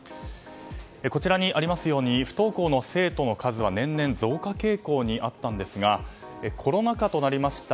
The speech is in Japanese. こちらにありますように不登校の生徒の数は年々、増加傾向にあったんですがコロナ禍となりました